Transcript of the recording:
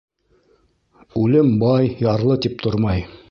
Үлем «бай», «ярлы» тип тормай.